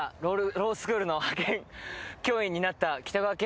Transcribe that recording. ロースクールの派遣教員になった北川景子さん